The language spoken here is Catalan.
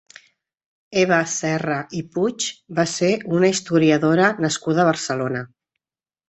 Eva Serra i Puig va ser una historiadora nascuda a Barcelona.